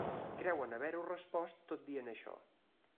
Creuen haver-ho respost tot dient això.